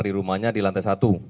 di rumahnya di lantai satu